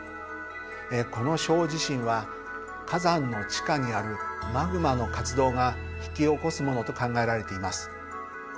この小地震は火山の地下にあるマグマの活動が引き起こすものと考えられています。